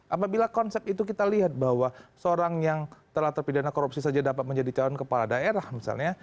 apabila konsep itu kita lihat bahwa seorang yang telah terpidana korupsi saja dapat menjadi calon kepala daerah misalnya